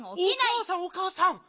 おかあさんおかあさん！